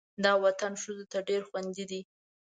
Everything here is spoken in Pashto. دا وطن ښځو ته ډېر خوندي دی.